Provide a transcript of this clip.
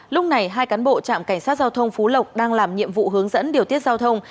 lúc này hai cán bộ trạm cảnh sát giao thông phú lộc đang làm nhiệm vụ hướng dẫn điều tiết giao thông